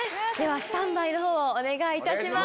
スタンバイお願いいたします。